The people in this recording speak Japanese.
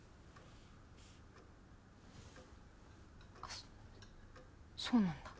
あっそうなんだ。